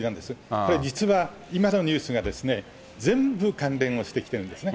これ、実は今までのニュースが全部関連をしてきてるんですね。